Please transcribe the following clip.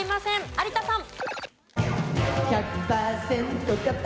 有田さん。